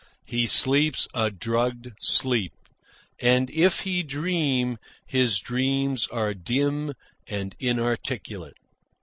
He sleeps a drugged sleep, and, if he dream, his dreams are dim and inarticulate.